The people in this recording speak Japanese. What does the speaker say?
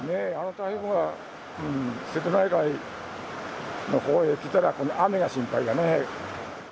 台風が瀬戸内海のほうへ来たら雨が心配やね。